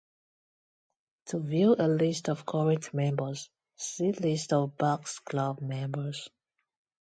To view a list of current members, see list of Buck's Club members.